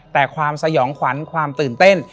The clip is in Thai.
แต่ความสยองขวัญความตื่นเต้น